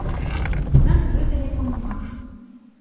vingt deux éléphants noirs.